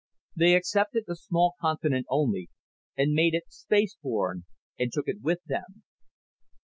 They accepted a small continent only and made it spaceborne and took it with them.